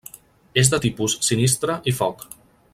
És de tipus sinistre i foc.